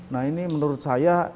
nah ini menurut saya